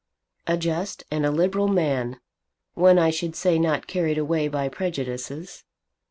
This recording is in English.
"A just and a liberal man; one I should say not carried away by prejudices!